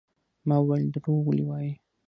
ما وويل دروغ ولې وايې.